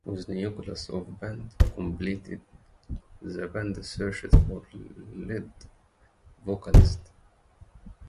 With the nucleus of the band completed, the band searched for a lead vocalist.